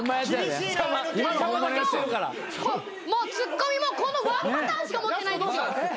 ツッコミもこのワンパターンしか持ってないんですよ。